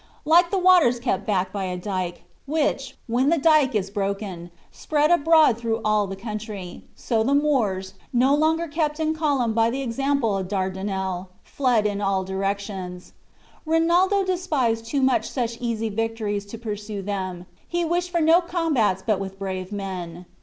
Like waters kept back by a dike, which, when the dike is broken, spread abroad through all the country, so the Moors, no longer kept in column by the example of Dardinel, fled in all directions. Rinaldo despised too much such easy victories to pursue them; he wished for no combats but with brave men.